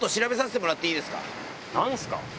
何すか？